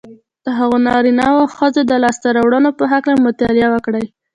د هغو نارینهوو او ښځو د لاسته رواړنو په هکله مطالعه وکړئ